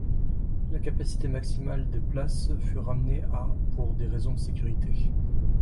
La capacité maximale de places fut ramenée à pour des raisons de sécurité.